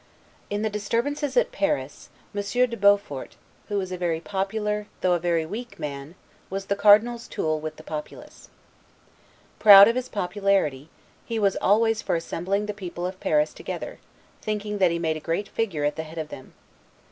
In the disturbances at Paris, Monsieur de Beaufort, who was a very popular, though a very weak man, was the Cardinal's tool with the populace. Proud of his popularity, he was always for assembling the people of Paris together, thinking that he made a great figure at the head of them.